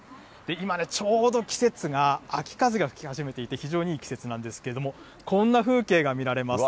今ね、ちょうど季節が、秋風が吹き始めていて、非常にいい季節なんですけれども、こんな風景が見られます。